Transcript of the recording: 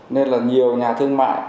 nên là nhiều nhà thương mại